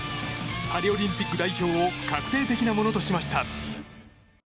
パリオリンピック代表を確定的なものとしました。